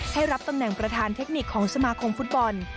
รับตำแหน่งประธานเทคนิคของสมาคมฟุตบอล